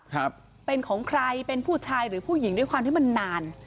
ครับเป็นของใครเป็นผู้ชายหรือผู้หญิงด้วยความที่มันนาน